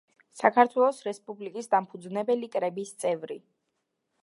საქართველოს რესპუბლიკის დამფუძნებელი კრების წევრი.